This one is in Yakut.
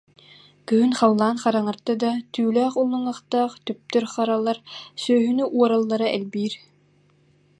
Күһүн халлаан хараҥарда да, түүлээх уллуҥахтаах Түптүр Харалар сүөһүнү уораллара элбиир